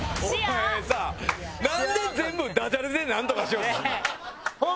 お前さなんで全部ダジャレでなんとかしようとするねん。